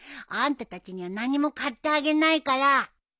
あんたたちには何も買ってあげないから。